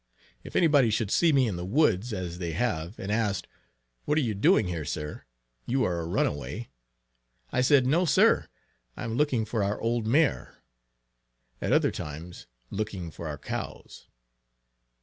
If any body should see me in the woods, as they have, and asked "what are you doing here sir! you are a runaway!" I said, "no, sir, I am looking for our old mare;" at other times, "looking for our cows."